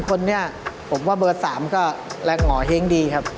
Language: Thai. คนนี้ผมว่าเบอร์๓ก็แรงหงอเฮ้งดีครับ